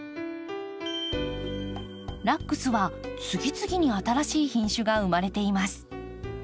ラックスは次々に新しい品種が生まれています。